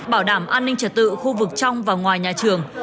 bảo đảm an ninh trật tự khu vực trong và ngoài nhà trường